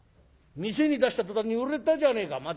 店に出した途端に売れたじゃねえか」。